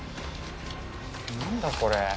何だこれ？